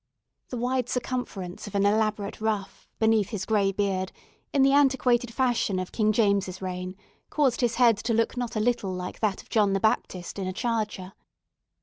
The wide circumference of an elaborate ruff, beneath his grey beard, in the antiquated fashion of King James's reign, caused his head to look not a little like that of John the Baptist in a charger.